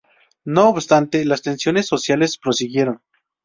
No obstante, las tensiones sociales prosiguieron.